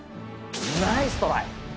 ナイストライ！